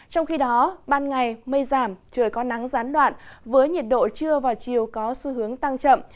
trong khi đó ban ngày mây giảm trời có nắng gián đoạn với nhiệt độ trưa và chiều có xu hướng tăng chậm